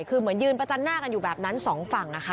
คือเหมือนยืนประจันหน้ากันอยู่แบบนั้นสองฝั่งนะคะ